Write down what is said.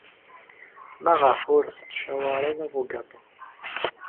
Maɣef ur tettcawareḍ abugaṭu?